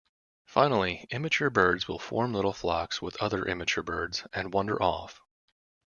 Finally, immature birds will form little flocks with other immature birds and wander off.